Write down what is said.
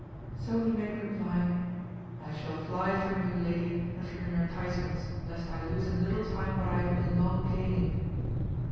So he made reply, I shall fly from you lady and from your entice ments lest I lose in little time what I have been long gaining.